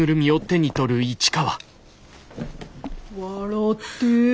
笑って。